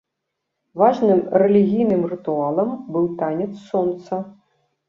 Важным рэлігійным рытуалам быў танец сонца.